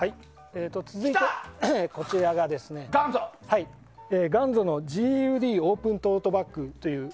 続いて、こちらがガンゾのＧＵＤオープントートバッグ。